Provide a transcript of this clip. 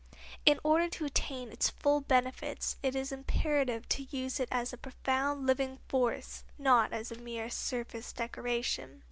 In order to attain its full benefits it is imperative to use it as a profound living force, not as a mere surface decoration.